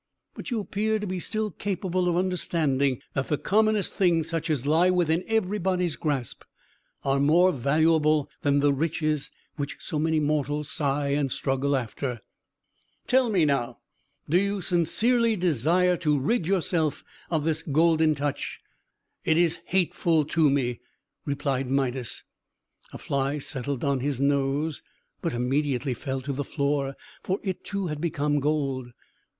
But you appear to be still capable of understanding that the commonest things, such as lie within everybody's grasp, are more valuable than the riches which so many mortals sigh and struggle after. Tell me, now, do you sincerely desire to rid yourself of this Golden Touch?" "It is hateful to me!" replied Midas. A fly settled on his nose, but immediately fell to the floor; for it, too, had become gold.